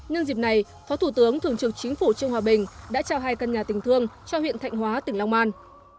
nhân dịp này phó thủ tướng thường trực chính phủ trương hòa bình đã trao hai căn nhà tình thương cho huyện thạnh hóa tỉnh long an